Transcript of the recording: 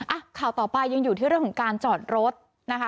อ่ะข่าวต่อไปยังอยู่ที่เรื่องของการจอดรถนะคะ